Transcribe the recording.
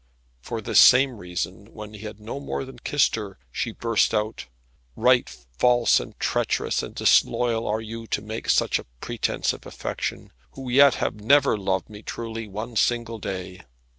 For this same reason when he had no more than kissed her, she burst out, "Right false and treacherous and disloyal are you to make such a pretence of affection, who yet have never loved me truly one single day.